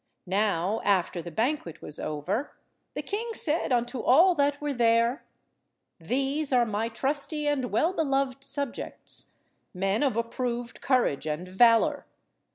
Now after the banquet was over, the king said unto all that were there— "These are my trusty and well–beloved subjects, men of approved courage and valour.